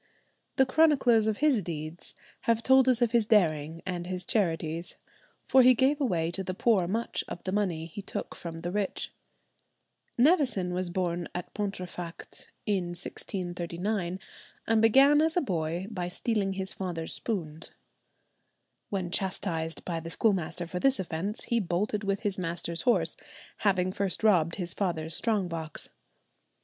The chroniclers of his deeds have told us of his daring and his charities, for he gave away to the poor much of the money he took from the rich." Nevison was born at Pontefract in 1639, and began as a boy by stealing his father's spoons. When chastised by the schoolmaster for this offence, he bolted with his master's horse, having first robbed his father's strong box.